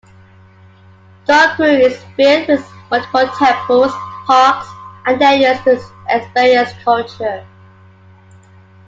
Thung Khru is filled with multiple temples, parks and areas to experience culture.